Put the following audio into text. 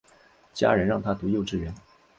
家人让她读幼稚园